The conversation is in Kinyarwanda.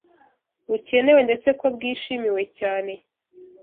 bukenewe ndetse ko bwishimiwe cyane